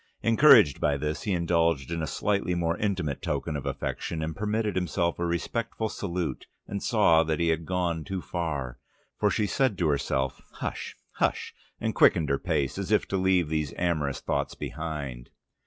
Encouraged by this, he indulged in a slightly more intimate token of affection, and permitted himself a respectful salute, and saw that he had gone too far, for she said to herself, "Hush, hush!" and quickened her pace, as if to leave these amorous thoughts behind.